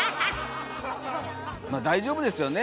まあ大丈夫ですよね。